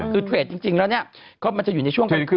คือเทรดจริงแล้วเนี่ยมันจะอยู่ในช่วงกลางคืน